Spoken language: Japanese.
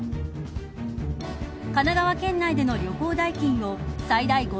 神奈川県内での旅行代金を最大５０００